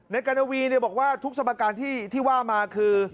กรณวีบอกว่าทุกสมการที่ว่ามาคือ